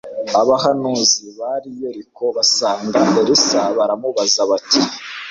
abahanuzi bari i yeriko basanga elisa baramubaza bati